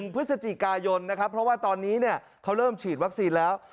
พฤศจิกายนนะครับเพราะว่าตอนนี้เขาเริ่มฉีดวัคซีนแล้ว